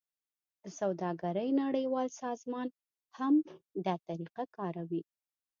د سوداګرۍ نړیوال سازمان هم دا طریقه کاروي